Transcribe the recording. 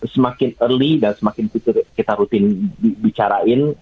semakin early dan semakin kita rutin dibicarain